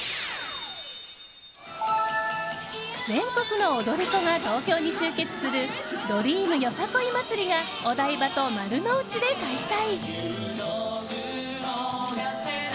全国の踊り子が東京に集結する「ドリーム夜さ来い祭り」がお台場と丸の内で開催！